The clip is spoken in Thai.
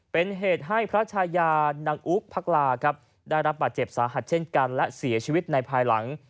เป็นเหตุให้พระชายานางอุ๊กพักลาครับได้รับบาดเจ็บสาหัสเช่นกันและเสียชีวิตในภายหลัง